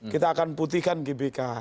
kita akan putihkan gbk